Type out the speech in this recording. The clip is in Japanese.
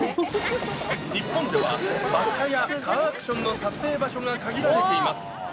日本では爆破やカーアクションの撮影場所が限られています。